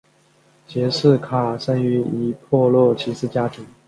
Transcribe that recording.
杰式卡生于一破落骑士家庭。